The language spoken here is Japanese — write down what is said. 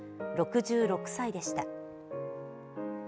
６６歳でした。